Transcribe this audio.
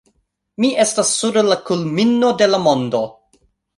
Mi estas sur la kulmino de la mondo